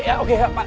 ya oke pak